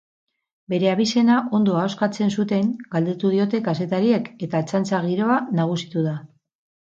Bere abizena ondo ahoskatzen zuten galdetu diote kazetariek eta txantxa giroa nagusitu da.